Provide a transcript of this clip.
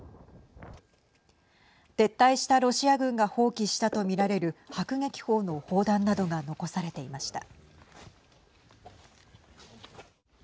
撤退したロシア軍が放棄したとみられる迫撃砲の砲弾などが残されていました。